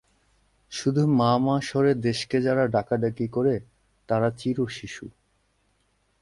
শুধু মা মা স্বরে দেশকে যারা ডাকাডাকি করে, তারা চিরশিশু।